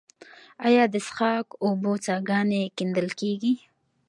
آیا د څښاک اوبو څاګانې کیندل کیږي؟